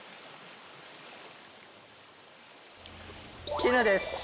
チヌです。